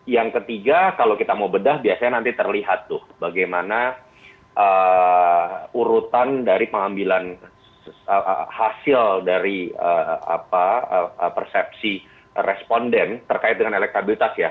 yang ketiga kalau kita mau bedah biasanya nanti terlihat tuh bagaimana urutan dari pengambilan hasil dari persepsi responden terkait dengan elektabilitas ya